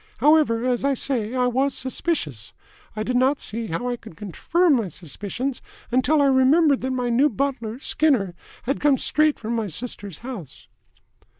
However, as I say, I was suspicious. I did not see how I could confirm my suspicions, until I remembered that my new butler, Skinner, had come straight from my sister's house."